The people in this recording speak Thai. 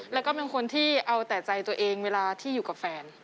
แล้วก็เป็นคนที่เอาแต่ใจตัวเองเวลาที่อยู่กับแฟน